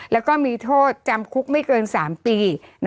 แล้วก็มีโทษจำคุกไม่เกิน๓ปี